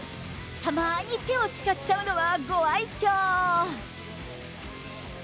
たまに手を使っちゃうのはご愛きょう。